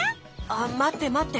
あっまってまって！